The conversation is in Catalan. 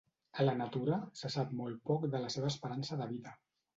A la natura, se sap molt poc de la seva esperança de vida.